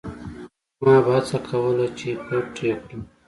ما به هڅه کوله چې پټ یې کړم.